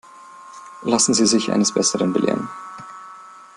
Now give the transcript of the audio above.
Lassen Sie sich eines Besseren belehren.